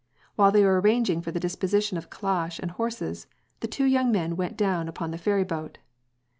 While they were arranging for the disposition of the calash and horses, the two young men went down upon the ferry boat.